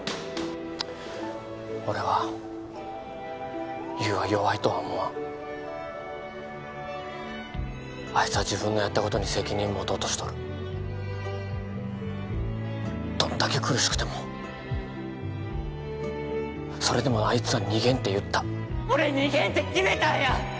俺は優は弱いとは思わんあいつは自分のやったことに責任を持とうとしとるどんだけ苦しくてもそれでもあいつは逃げんって言った俺逃げんって決めたんや！